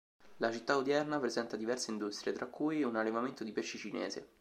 La città odierna presenta diverse industrie, tra cui un allevamento di pesci cinese.